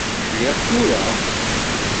Ḥliɣ tura.